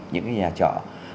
những nhà trọ